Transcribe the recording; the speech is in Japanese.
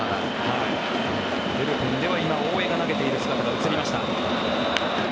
ブルペンでは今大江が投げてる姿が映りました。